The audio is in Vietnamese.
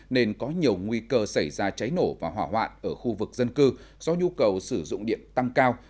nên có nhiều nguy cơ xảy ra cháy nổ và hỏa hoạn ở khu vực dân cư do nhu cầu sử dụng điện tăng cao